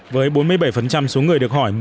với bốn mươi bảy số người được hỏi